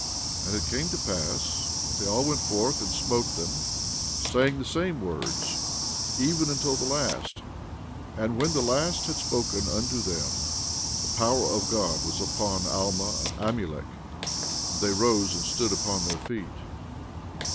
14:25 And it came to pass that they all went forth and smote them, saying the same words, even until the last; and when the last had spoken unto them the power of God was upon Alma and Amulek, and they rose and stood upon their feet.